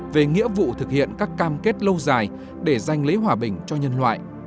về nghĩa vụ thực hiện các cam kết lâu dài để giành lấy hòa bình cho nhân loại